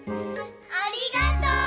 ありがとう！